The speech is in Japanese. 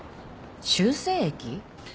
修正液？